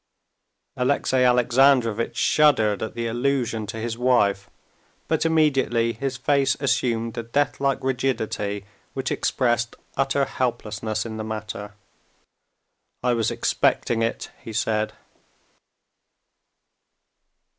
Alexey Alexandrovitch shuddered at the allusion to his wife, but immediately his face assumed the deathlike rigidity which expressed utter helplessness in the matter. "I was expecting it," he said.